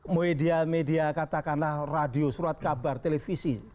media media katakanlah radio surat kabar televisi